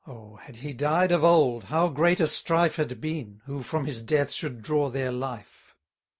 Oh! had he died of old, how great a strife Had been, who from his death should draw their life!